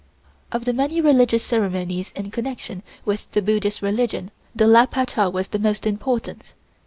Of the many religious ceremonies in connection with the Buddhist religion the "La pachow" was the most important.